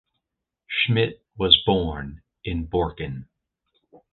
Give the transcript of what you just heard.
Schmidt was born in Borken.